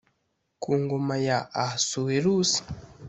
Ku ngoma ya Ahasuwerusi